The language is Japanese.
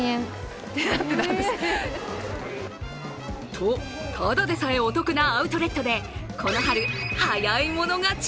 と、ただでさえお得なアウトレットでこの春、早い者勝ち